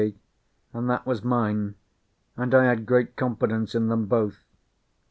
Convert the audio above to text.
_, and that was mine, and I had great confidence in them both.